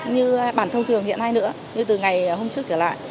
như bản thông thường hiện nay nữa như từ ngày hôm trước trở lại